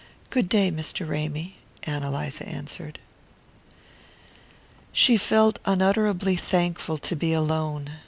"Good day, Mr. Ramy," Ann Eliza answered. She felt unutterably thankful to be alone.